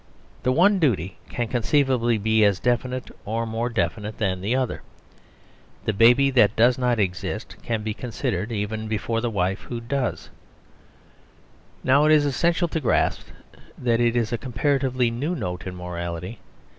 The one duty can conceivably be as definite as or more definite than the other. The baby that does not exist can be considered even before the wife who does. Now it is essential to grasp that this is a comparatively new note in morality.